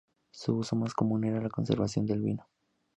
Su uso más común era la conservación del vino.